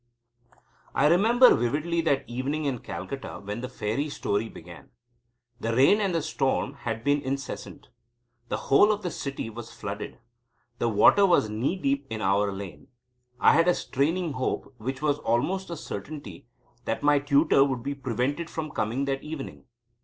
I remember vividly that evening in Calcutta when the fairy story began. The rain and the storm had been incessant. The whole of the city was flooded. The water was knee deep in our lane. I had a straining hope, which was almost a certainty, that my tutor would be prevented from coming that evening.